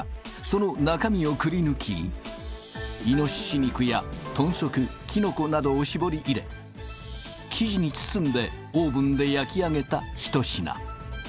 その中身をくり抜き猪肉や豚足キノコなどを搾り入れ生地に包んでオーブンで焼き上げたひと品